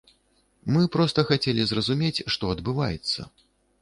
Мы проста хацелі зразумець, што адбываецца.